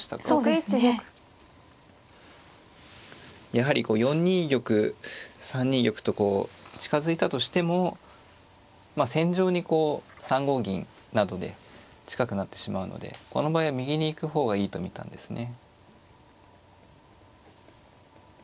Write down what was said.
やはり４二玉３二玉とこう近づいたとしても戦場にこう３五銀などで近くなってしまうのでこの場合は右に行く方がいいと見たんですね。